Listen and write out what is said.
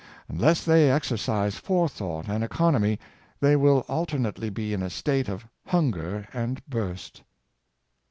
Unless they exercise fore thought and economy they will alternately be in a state of " hunger and burst."